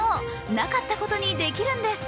なかったことにできるんです。